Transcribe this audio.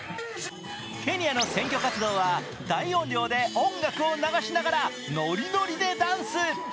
ケニアの選挙活動は大音量で音楽を流しながらノリノリでダンス。